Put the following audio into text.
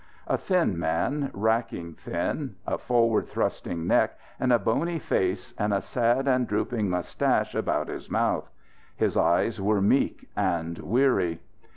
A thin man, racking thin; a forward thrusting neck and a bony face and a sad and drooping moustache about his mouth. His eyes were meek and weary.